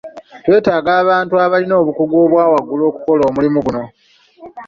Twetaaga abantu abalina obukugu obwa waggulu okukola omulimu guno.